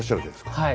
はい。